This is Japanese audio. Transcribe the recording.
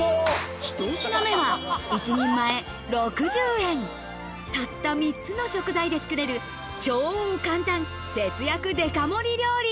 ひと品目は一人前６０円、たったの３つの食材でつくれる超簡単節約デカ盛り料理。